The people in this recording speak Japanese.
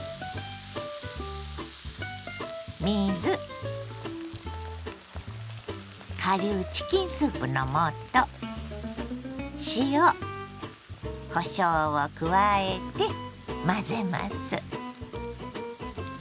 水顆粒チキンスープの素塩こしょうを加えて混ぜます。